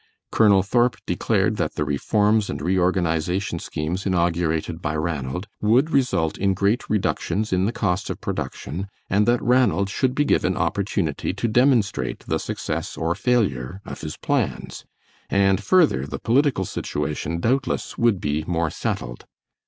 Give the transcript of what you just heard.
Colonel Thorp declared that the reforms and reorganization schemes inaugurated by Ranald would result in great reductions in the cost of production, and that Ranald should be given opportunity to demonstrate the success or failure of his plans; and further, the political situation doubtless would be more settled.